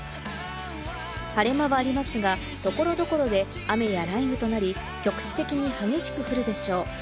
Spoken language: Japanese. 晴れ間はありますが、所々で雨や雷雨となり、局地的に激しく降るでしょう。